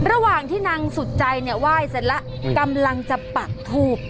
ระหว่างที่นางสุดใจเนี่ยไหว้เสร็จแล้วกำลังจะปักทูบ